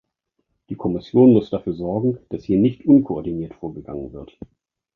Die Kommission muss dafür sorgen, dass hier nicht unkoordiniert vorgegangen wird.